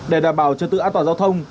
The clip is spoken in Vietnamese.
để đảm bảo trường tự án toàn giao thông